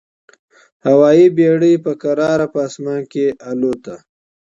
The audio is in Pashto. هوايي بېړۍ په کراره په اسمان کي البوته.